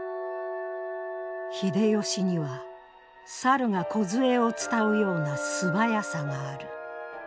「秀吉には猿がこずえを伝うような素早さがある。